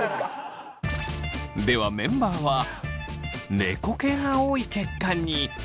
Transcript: ではメンバーは猫系が多い結果に！